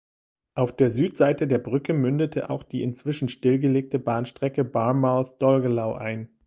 Auf der Südseite der Brücke mündete auch die inzwischen stillgelegte Bahnstrecke Barmouth-Dolgellau ein.